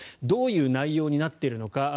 どういう内容になっているのか。